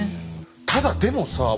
ただでもさあ